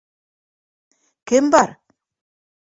Кем бар?